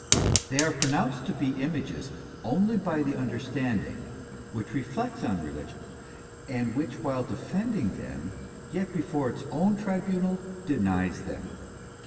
They are pronounced to be images only by the understanding, which reflects on religion, and which while defending them yet before its own tribunal denies them.